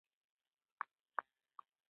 چاته یې درک نه معلومېده.